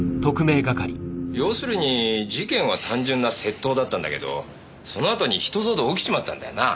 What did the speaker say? ようするに事件は単純な窃盗だったんだけどそのあとにひと騒動起きちまったんだよな。